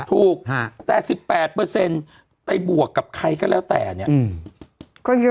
ถูกแต่๑๘ไปบวกกับใครก็แล้วแต่เนี่ย